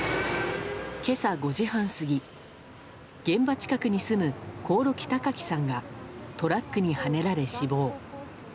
今朝５時半過ぎ現場近くに住む興梠高喜さんがトラックにはねられ死亡。